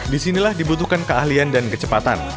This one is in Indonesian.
disinilah dibutuhkan keahlian dan kecepatan